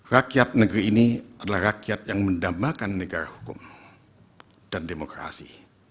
rakyat negeri ini adalah rakyat yang mendambakan negara hukum dan demokrasi